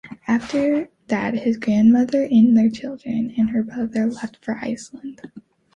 After that his grandmother and their children and her brother left for Iceland.